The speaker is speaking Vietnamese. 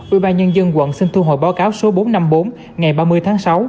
ủy ban nhân dân quận xin thu hồi báo cáo số bốn trăm năm mươi bốn ngày ba mươi tháng sáu